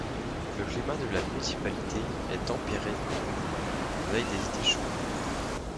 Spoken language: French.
Le climat de la municipalité est tempéré humide, avec des étés chauds.